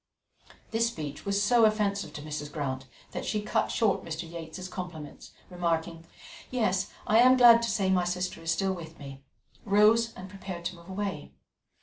This speech was so offensive to Mrs. Grant that she cut short Mr. Yates's compliments, and remarking, "Yes, I am glad to say my sister is still with me," rose and prepared to move away.